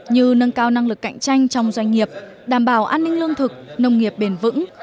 như nâng cao năng lực cạnh tranh trong doanh nghiệp đảm bảo an ninh lương thực nông nghiệp bền vững